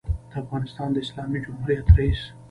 دافغانستان د اسلامي جمهوریت رئیس